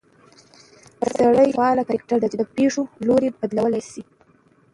سړى يو فعال کرکټر دى، چې د پېښو لورى بدلولى شي